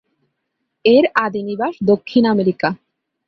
এর আদি নিবাস দক্ষিণ আমেরিকা।